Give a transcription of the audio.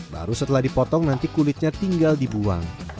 baru setelah dipotong nanti kulitnya tinggal dibuang